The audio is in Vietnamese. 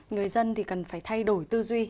người dân thì cần phải thay đổi